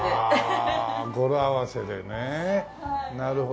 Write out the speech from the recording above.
あ語呂合わせでねなるほど。